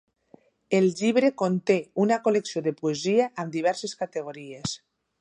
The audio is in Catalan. El llibre conté una col·lecció de poesia amb diverses categories.